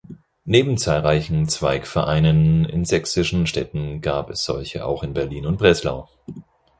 Neben zahlreichen Zweigvereinen in sächsischen Städten gab es solche auch in Berlin und Breslau.